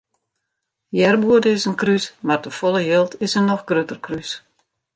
Earmoede is in krús mar te folle jild is in noch grutter krús.